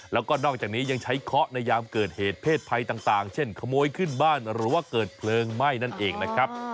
แล้วก็นอกจากนี้ยังใช้เคาะในยามเกิดเหตุเพศภัยต่างเช่นขโมยขึ้นบ้านหรือว่าเกิดเพลิงไหม้นั่นเองนะครับ